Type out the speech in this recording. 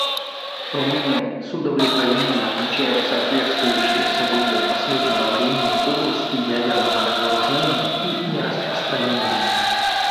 Румыния с удовлетворением отмечает соответствующие события последнего времени в области ядерного разоружения и нераспространения.